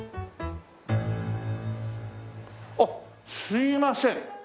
あっすいません。